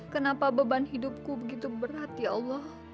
kenapa beban hidupku begitu berat ya allah